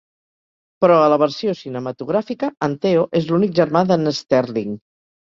Però a la versió cinematogràfica, en Theo es l'únic germà d'en Sterling.